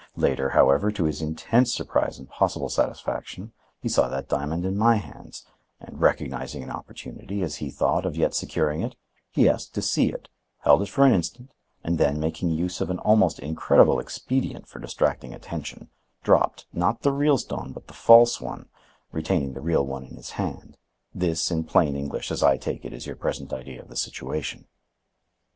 Later, however, to his intense surprise and possible satisfaction, he saw that diamond in my hands, and, recognizing an opportunity, as he thought, of yet securing it, he asked to see it, held it for an instant, and then, making use of an almost incredible expedient for distracting attention, dropped, not the real stone but the false one, retaining the real one in his hand. This, in plain English, as I take it, is your present idea of the situation."